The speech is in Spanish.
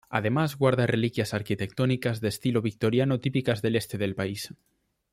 Además guarda reliquias arquitectónicas de estilo victoriano típicas del este del país.